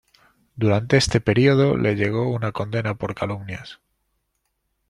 Durante ese periodo le llegó una condena por calumnias.